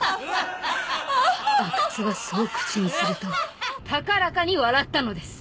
阿久津はそう口にすると高らかに笑ったのです。